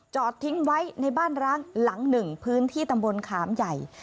จอดทิ้งไว้ในบ้านร้างหลังหนึ่งพื้นที่ตำบลขามใหญ่